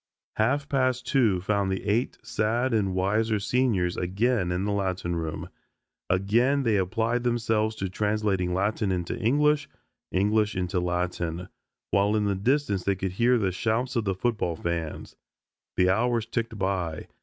Half past two found the eight sad and wiser seniors again in the Latin room. Again they applied themselves to translating Latin into English, English into Latin, while in the distance they could hear the shouts of the football fans. The hours ticked by.